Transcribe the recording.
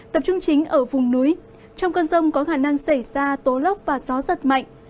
tập trung chính ở vùng núi trong cơn rông có khả năng xảy ra tố lốc và gió giật mạnh